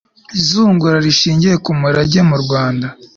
izungura rishingiye ku murage mu rwanda